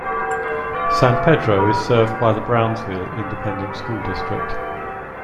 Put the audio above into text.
San Pedro is served by the Brownsville Independent School District.